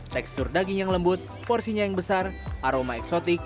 tekstur daging yang lembut porsinya yang besar aroma eksotik